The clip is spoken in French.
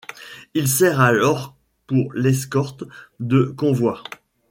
Il sert alors pour l'escorte de convois.